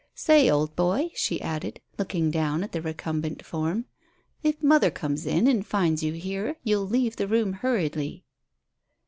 "Say, old boy," she added, looking down at the recumbent form, "if mother comes in and finds you here you'll leave the room hurriedly."